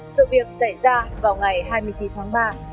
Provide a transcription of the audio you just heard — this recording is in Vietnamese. sự việc xảy ra vào ngày hai mươi chín tháng ba